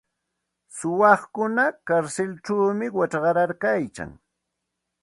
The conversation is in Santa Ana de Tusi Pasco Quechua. Suwakuna karsilćhawmi wichqaryarkan.